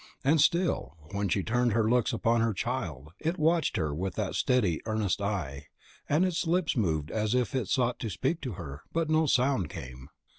And still, when she turned her looks upon her child, it watched her with that steady, earnest eye, and its lips moved as if it sought to speak to her, but no sound came.